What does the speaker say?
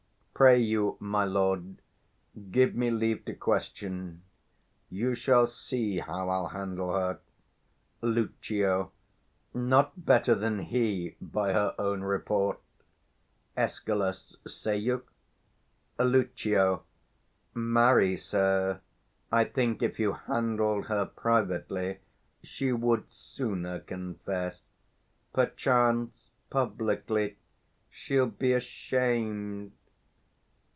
_] Pray you, my lord, give me leave to question; you shall see how I'll handle 270 her. Lucio. Not better than he, by her own report. Escal. Say you? Lucio. Marry, sir, I think, if you handled her privately, she would sooner confess: perchance, publicly, she'll be 275 ashamed.